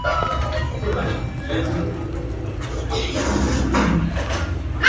na bunduki za kisasa bunduki za mtombo na mizinga midogo Zelewski aliwadharau Wahehe kama